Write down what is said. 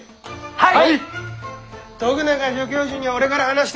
はい！